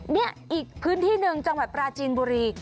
นี่อีกพื้นที่หนึ่งจังหวัดปราจีนบุรี